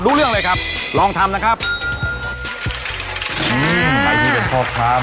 รู้เรื่องเลยครับลองทำนะครับ